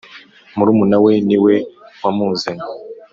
Murumuna we niwe wamuzanye.